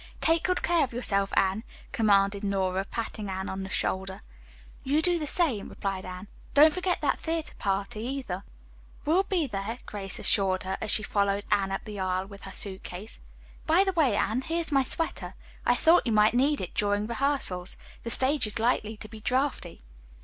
"Take good care of yourself, Anne," commanded Nora, patting Anne on the shoulder. "You do the same," replied Anne. "Don't forget that theatre party, either." "We'll be there," Grace assured her, as she followed Anne up the aisle with her suit case. "By the way, Anne, here's my sweater. I thought you might need it during rehearsals. The stage is likely to be draughty."